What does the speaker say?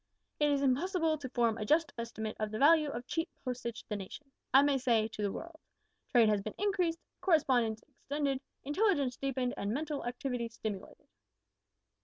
It is impossible to form a just estimate of the value of cheap postage to the nation, I may say, to the world. Trade has been increased, correspondence extended, intelligence deepened, and mental activity stimulated.